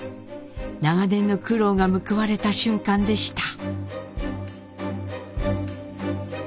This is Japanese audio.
長年の苦労が報われた瞬間でした。